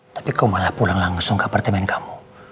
tapi kau malah pulang langsung ke apartemen kamu